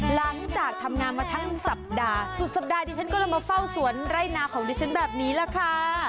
หลังจากทำงานมาทั้งสัปดาห์สุดสัปดาห์ดิฉันก็เลยมาเฝ้าสวนไร่นาของดิฉันแบบนี้แหละค่ะ